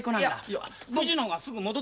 いや。